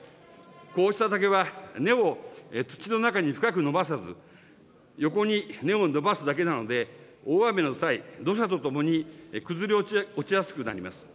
こうした竹は、根を土の中に深く伸ばさず、横に根を伸ばすだけなので、大雨の際、土砂とともに崩れ落ちやすくなります。